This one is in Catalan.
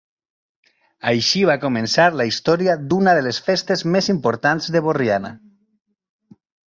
Així va començar la història d'una de les festes més importants de Borriana.